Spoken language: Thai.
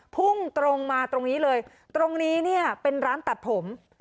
พุ่งตรงมาตรงนี้เลยตรงนี้เนี่ยเป็นร้านตัดผม